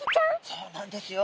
そうなんですよ。